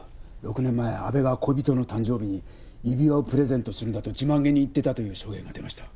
６年前阿部が恋人の誕生日に指輪をプレゼントするんだと自慢げに言っていたという証言が出ました。